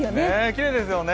きれいですよね。